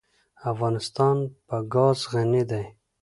افغانستان په ګاز غني دی.